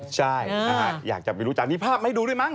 ใช่ยากจะไปรู้จักกันนี่ภาพคุณไหมดูด้วยมั้ง